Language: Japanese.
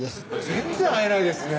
全然会えないですね